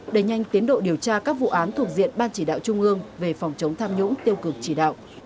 đẩy nhanh tiến độ điều tra các vụ án thuộc diện ban chỉ đạo trung ương về phòng chống tham nhũng tiêu cực chỉ đạo